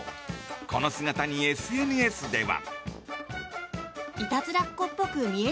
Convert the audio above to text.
この姿に、ＳＮＳでは。